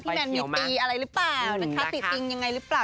แมนมีตีอะไรหรือเปล่านะคะติดติงยังไงหรือเปล่า